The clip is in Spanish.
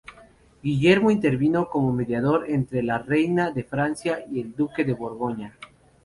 Guillermo intervino como mediador entre la reina de Francia y el duque de Borgoña.